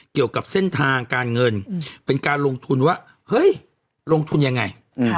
เกี่ยวกับเส้นทางการเงินเป็นการลงทุนว่าเฮ้ยลงทุนยังไง